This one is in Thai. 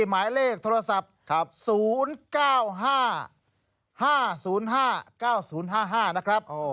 หมายเลขโทรศัพท์๐๙๕๕๐๕๙๐๕๕นะครับ